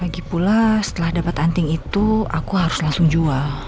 lagipula setelah dapat anting itu aku harus langsung jual